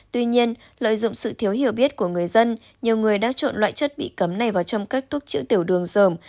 tuy nhiên lợi dụng sự thiếu hiểu biết của người dân nhiều người đã trộn loại chất bị cấm này vào trong các thuốc chữ tiểu đường rồng